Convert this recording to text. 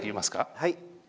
はい。